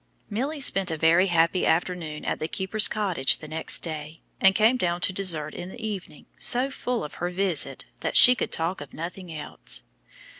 Milly spent a very happy afternoon at the keeper's cottage the next day, and came down to dessert in the evening so full of her visit that she could talk of nothing else.